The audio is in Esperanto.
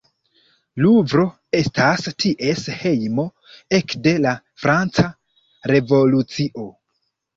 Luvro estas ties hejmo ekde la Franca Revolucio.